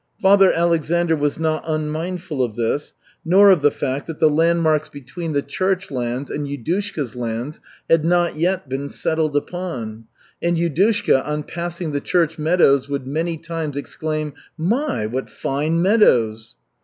Father Aleksandr was not unmindful of this, nor of the fact that the landmarks between the church lands and Yudushka's lands had not yet been settled upon, and Yudushka, on passing the church meadows, would many times exclaim, "My, what fine meadows!"